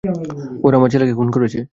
ওরা আমার ছেলেকে খুন করেছে!